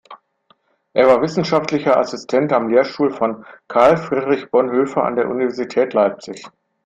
Er war Wissenschaftlicher Assistent am Lehrstuhl von Karl Friedrich Bonhoeffer an der Universität Leipzig.